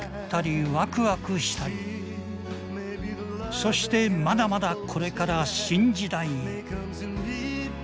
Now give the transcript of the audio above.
そしてまだまだこれから新時代へ。